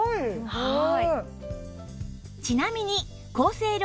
はい。